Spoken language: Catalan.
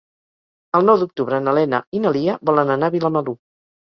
El nou d'octubre na Lena i na Lia volen anar a Vilamalur.